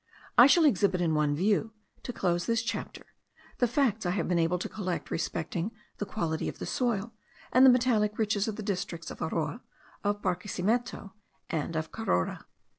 I shall exhibit in one view, to close this chapter, the facts I have been able to collect respecting the quality of the soil and the metallic riches of the districts of Aroa, of Barquesimeto, and of Carora.